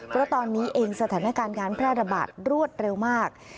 เพราะตอนนี้เองสถานการณ์การแพร่ระบาดรวดเร็วมาก